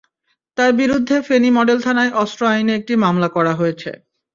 তাঁর বিরুদ্ধে ফেনী মডেল থানায় অস্ত্র আইনে একটি মামলা করা হয়েছে।